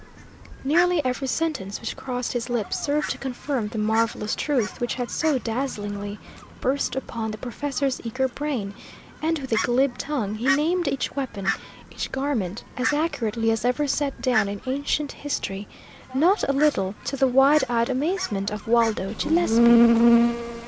Nearly every sentence which crossed his lips served to confirm the marvellous truth which had so dazzlingly burst upon the professor's eager brain, and with a glib tongue he named each weapon, each garment, as accurately as ever set down in ancient history, not a little to the wide eyed amazement of Waldo Gillespie.